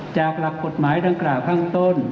จากหลักผลหมายดังกราบข้างต้น